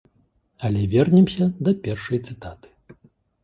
Але вернемся да першай цытаты.